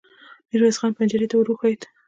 ميرويس خان پنجرې ته ور وښويېد.